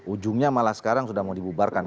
ujungnya malah sekarang sudah mau dibubarkan